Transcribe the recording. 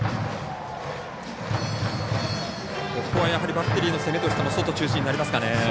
バッテリーの攻めとしても外中心になりますかね。